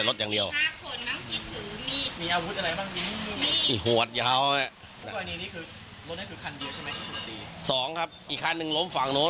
หลังเกิดเหตุนะคะ